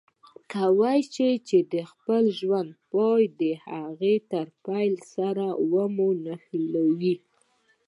چې کولای شي د خپل ژوند پای د هغه د پیل سره وموښلوي.